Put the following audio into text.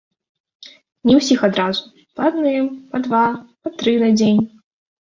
Не ўсіх адразу, па адным, па два, па тры на дзень.